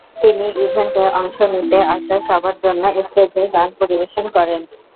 তিনি ইভেন্টে অংশ নিতে আসা সবার জন্য স্টেজে গান পরিবেশন করেন।